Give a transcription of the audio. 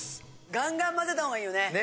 ガンガン混ぜた方がいいよね。ね